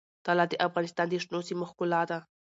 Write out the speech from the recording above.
طلا د افغانستان د شنو سیمو ښکلا ده.